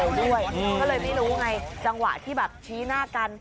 ก็เลยไม่รู้ไงจังหวะที่แบบชี้หน้ากัน